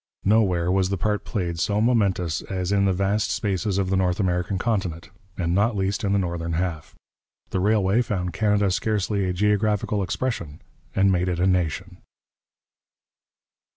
Nowhere was the part played so momentous as in the vast spaces of the North American continent, and not least in the northern half. The railway found Canada scarcely a geographical expression, and made it a nation.